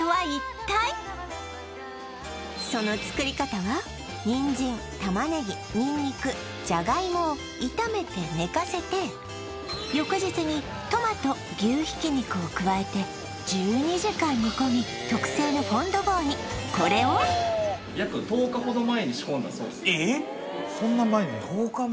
その作り方は人参玉ねぎニンニクジャガイモを炒めて寝かせて翌日にトマト牛ひき肉を加えて１２時間煮込み特製のフォンドボーにこれをえっ１０日も？